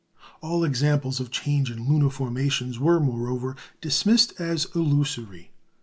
All examples of change in lunar formations were, moreover, dismissed as illusory.